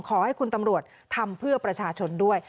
ขอให้คุณตำรวจทำเพื่อประชาชนด้วย